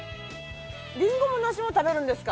リンゴもナシも食べるんですか！